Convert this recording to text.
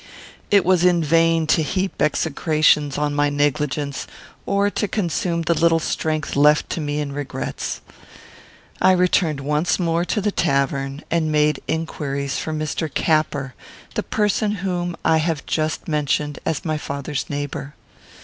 It was in vain to heap execrations on my negligence, or to consume the little strength left to me in regrets. I returned once more to the tavern and made inquiries for Mr. Capper, the person whom I have just mentioned as my father's neighbour.